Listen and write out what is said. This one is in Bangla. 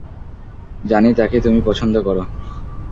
জানি তাকে তুমি পছন্দ করো।